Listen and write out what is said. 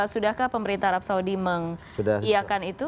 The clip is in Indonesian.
sudahkah pemerintah arab saudi mengiyakan itu